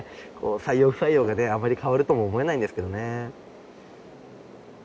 採用不採用があまり変わるとも思えないんですけどね